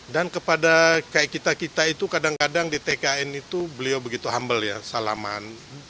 dan kepada kayak kita kita itu kadang kadang di tkn itu beliau begitu humble ya salaman